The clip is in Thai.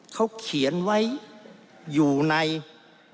เขาเขียนไว้อยู่ในวงศัตริย์นี้นะครับ